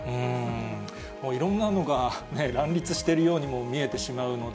もういろんなのが乱立しているようにも見えてしまうので、